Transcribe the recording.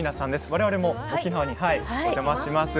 われわれも沖縄にお邪魔します。